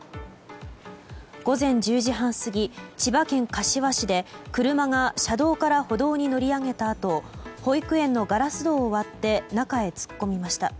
午前１０時半過ぎ千葉県柏市で車が車道から歩道に乗り上げたあと保育園のガラス戸を割って中へ突っ込みました。